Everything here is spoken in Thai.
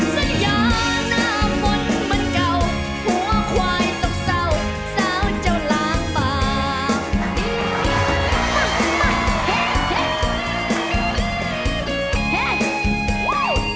สัญญาหน้ามนต์มันเก่าหัวควายตกเศร้าสาวเจ้าล้างบาง